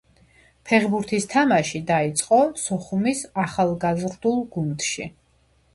ფეხბურთის თამაში დაიწყო სოხუმის ახალგაზრდულ გუნდში.